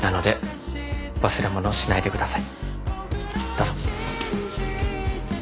どうぞ。